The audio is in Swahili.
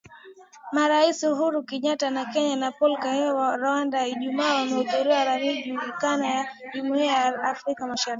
Marais Uhuru Kenyata wa Kenya na Paul Kagame wa Rwanda, Ijumaa wamezindua ramani iliyopanuliwa ya Jumuiya ya Afrika Mashariki.